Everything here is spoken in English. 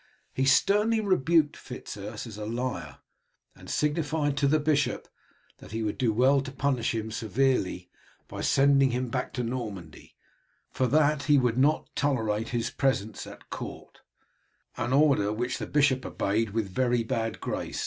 He sternly rebuked Fitz Urse as a liar, and signified to the bishop that he would do well to punish him severely by sending him back to Normandy, for that he would not tolerate his presence at court an order which the bishop obeyed with very bad grace.